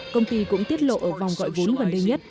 công ty cũng tiết lộ ở vòng gọi vốn gần đây nhất